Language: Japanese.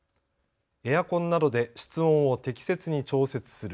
エアコンなどで室温を適切に調節する。